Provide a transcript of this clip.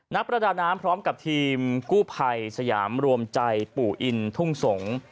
ประดาน้ำพร้อมกับทีมกู้ภัยสยามรวมใจปู่อินทุ่งสงศ์